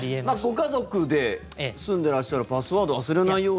ご家族で住んでらっしゃるパスワード忘れないように。